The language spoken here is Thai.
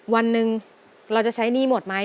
วันหนึ่งเราจะใช้หนี้หมดไหม